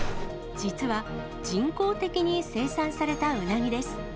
実は人工的に生産されたウナギです。